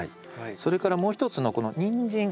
それからもう一つのこのニンジン。